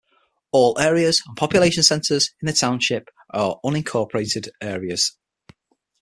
All areas and population centers in the township are unincorporated areas.